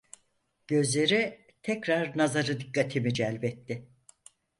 Gözleri tekrar nazarı dikkatimi celbetti.